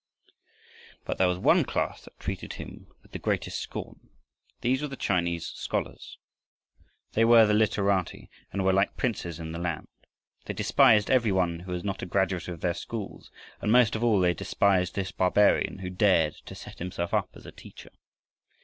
But there was one class that treated him with the greatest scorn. These were the Chinese scholars. They were the literati, and were like princes in the land. They despised every one who was not a graduate of their schools, and most of all they despised this barbarian who dared to set himself up as a teacher.